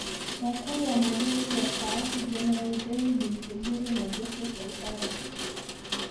Wakuu wa Majeshi Wastaafu Jeneral David Msuguri na Joseph Waitara